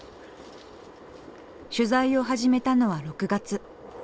取材を始めたのは６月。